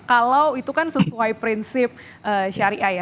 kalau itu kan sesuai prinsip syariah ya